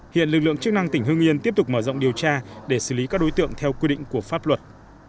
hiện lực lượng chức năng tỉnh hương yên tiếp tục mở rộng điều tra để xử lý các đối tượng theo quy định của pháp luật